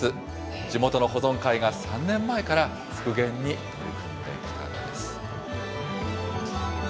地元の保存会が３年前から復元に取り組んできたんです。